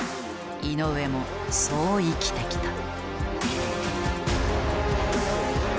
井上もそう生きてきた。